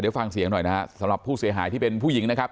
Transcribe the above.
เดี๋ยวฟังเสียงหน่อยนะฮะสำหรับผู้เสียหายที่เป็นผู้หญิงนะครับ